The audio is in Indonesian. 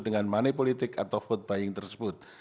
dengan money politik atau vote buying tersebut